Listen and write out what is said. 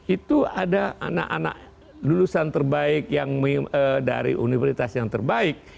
itu ada anak anak lulusan terbaik yang dari universitas yang terbaik